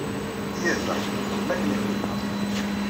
Yirbeḥ, xdem akken i xedmeɣ.